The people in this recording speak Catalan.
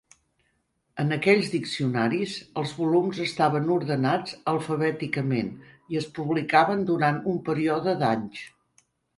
En aquells diccionaris, els volums estaven ordenats alfabèticament i es publicaven durant un període d'anys.